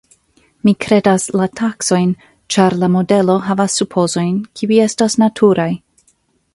Mi kredas la taksojn, ĉar la modelo havas supozojn, kiuj estas naturaj.